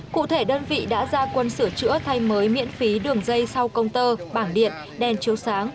cụ thể đơn vị đã ra quân sửa chữa thay mới miễn phí đường dây sau công tơ bảng điện đèn chiếu sáng